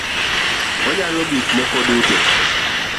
Onyalo gik moko duto